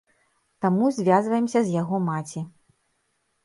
Таму звязваемся з яго маці.